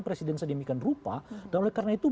presiden sedemikian rupa dan oleh karena itu